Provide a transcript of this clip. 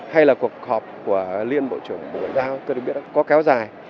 hay là cuộc họp của liên bộ trưởng bộ ngoại giao tôi được biết có kéo dài